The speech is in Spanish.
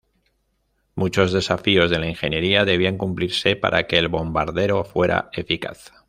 Muchos desafíos de la ingeniería debían cumplirse para que el bombardero fuera eficaz.